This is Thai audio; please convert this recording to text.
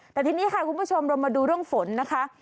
แต่ทีนี้ค่ะคุณผู้ชมเรามาดูเรื่องฝนนะคะ